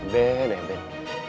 ben ya ben